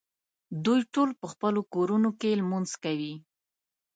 دوی ټول په خپلو کورونو کې لمونځ کوي.